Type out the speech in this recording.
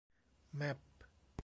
แมป